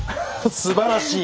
すばらしい！